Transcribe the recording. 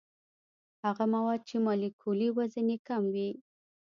هغه مواد چې مالیکولي وزن یې کم وي.